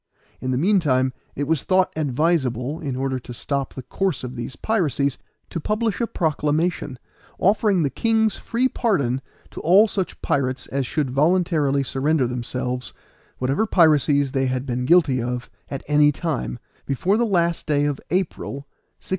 In the meantime it was thought advisable, in order to stop the course of these piracies, to publish a proclamation, offering the king's free pardon to all such pirates as should voluntarily surrender themselves, whatever piracies they had been guilty of at any time, before the last day of April, 1699.